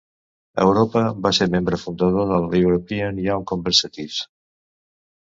A Europa, va ser membre fundador del "European Young Conservatives".